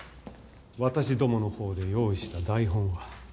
私どものほうで用意した台本は。